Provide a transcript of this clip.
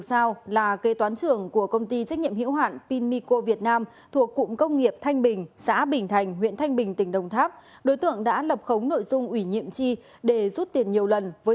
xin chào và hẹn gặp lại